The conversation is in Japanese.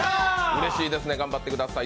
うれしいですね、頑張ってください